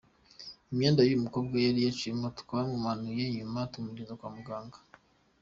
Imyenda y’uyu mukobwa yari yaciwe, twamumanuye nyuma tumugeza kwa muganga.